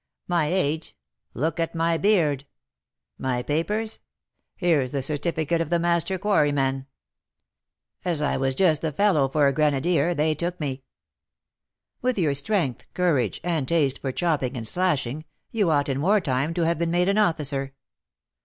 My age? look at my beard. My papers? here's the certificate of the master quarryman. As I was just the fellow for a grenadier, they took me." "With your strength, courage, and taste for chopping and slashing, you ought, in war time, to have been made an officer."